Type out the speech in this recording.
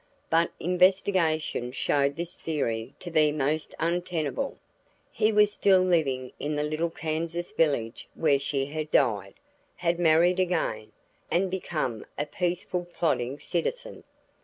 But investigation showed this theory to be most untenable. He was still living in the little Kansas village where she had died, had married again, and become a peaceful plodding citizen.